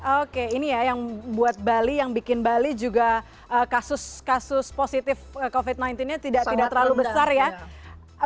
oke ini ya yang buat bali yang bikin bali juga kasus kasus positif covid sembilan belas nya tidak terlalu besar ya